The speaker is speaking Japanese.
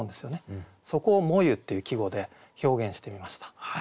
そこを「炎ゆ」っていう季語で表現してみました。